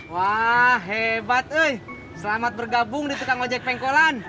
wah hebat selamat bergabung di tukang ojak pengkolan